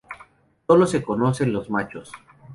Solo se conocen los machos.